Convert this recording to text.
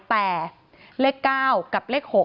แต่เลข๙กับเลข๖